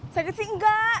sakit sih enggak